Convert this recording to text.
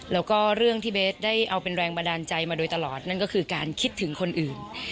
แล้วก็เรื่องที่เบสได้เอาเป็นแรงบันดาลใจมาโดยตลอดนั่นก็คือการคิดถึงคนอื่น